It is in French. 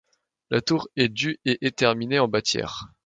La tour est du et est terminée en bâtière.